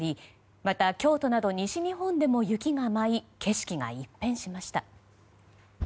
また京都など西日本でも雪が舞い景色が一変しました。